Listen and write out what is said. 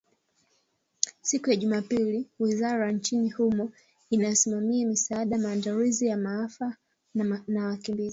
siku ya Jumapili wizara nchini humo inayosimamia misaada maandalizi ya maafa na wakimbizi